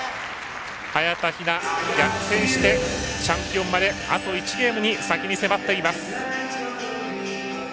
早田ひな、逆転してチャンピオンまであと１ゲームに先に迫っています。